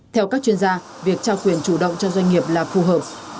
theo các chuyên gia việc trao quyền chủ động cho doanh nghiệp là phù hợp